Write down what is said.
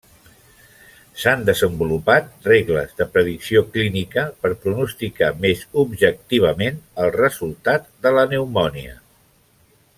S'han desenvolupat regles de predicció clínica per pronosticar més objectivament el resultat de la pneumònia.